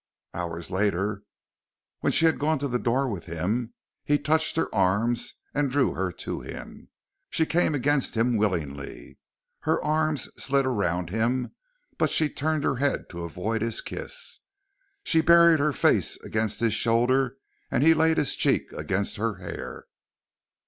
Hours later when she had gone to the door with him, he touched her arms and drew her to him. She came against him willingly, her arms slid around him, but she turned her head to avoid his kiss. She buried her face against his shoulder, and he laid his cheek against her hair.